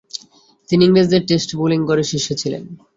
তিনি ইংরেজদের test bowling গড়ে শীর্ষে ছিলেন।